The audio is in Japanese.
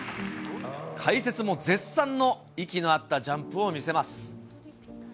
解説も絶賛の息の合ったジャンプを見せます。